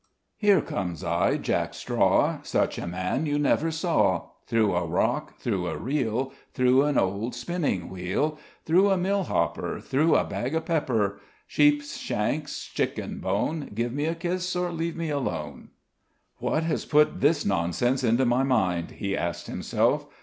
"Here comes I, Jack Straw; Such a man you never saw; Through a rock, through a reel, Through an old spinning wheel, Through a mill hopper, through a bag of pepper; Sheep shanks, chicken bone Give me a kiss or leave me alone." "What has put this nonsense into my mind?" he asked himself.